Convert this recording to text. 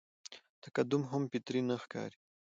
تقدم هم فطري نه ښکاري.